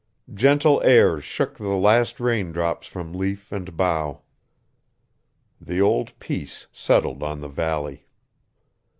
Gentle airs shook the last rain drops from leaf and bough. The old peace settled on the valley.